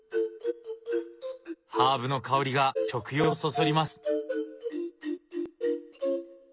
ハーブの香りが食欲をそそります。